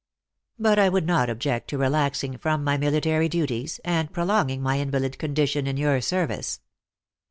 "But I would not object to relaxing from my mili tary duties, and prolonging my invalid condition in your service."